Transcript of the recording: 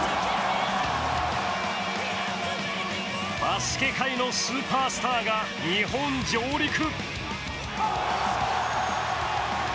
バスケ界のスーパースターが日本上陸。